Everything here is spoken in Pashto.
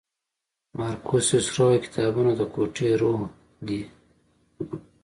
مارکوس سیسرو وایي کتابونه د کوټې روح دی.